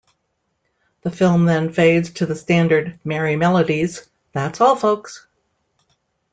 The film then fades to the standard "Merrie Melodies" "That's all, Folks!